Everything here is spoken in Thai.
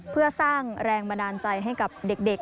เพื่อสร้างแรงบันดาลใจให้กับเด็ก